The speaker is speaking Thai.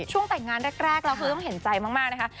ช่วงแต่งงานแรกเราต้องเห็นใจมากนะคะ